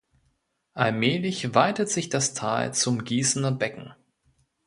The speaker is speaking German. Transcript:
Allmählich weitet sich das Tal zum "Gießener Becken".